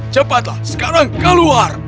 cepatlah sekarang keluar